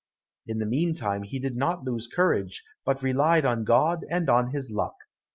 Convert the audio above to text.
In the meantime he did not lose courage, but relied on God and on his luck.